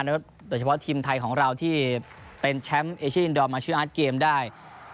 โดยเฉพาะทีมไทยของเราที่เป็นแชมป์เอเชียอินดอร์มาชื่ออาร์ตเกมได้